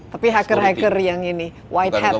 tapi hacker hacker yang ini white hat ya